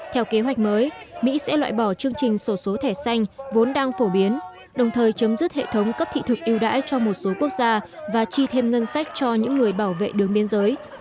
theo kế hoạch mới mỹ sẽ loại bỏ chương trình sổ số thẻ xanh vốn đang phổ biến đồng thời chấm dứt hệ thống cấp thị thực yêu đãi cho một số quốc gia và chi thêm ngân sách cho những người bảo vệ đường biên giới